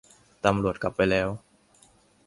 ตำรวจกลับไปแล้ว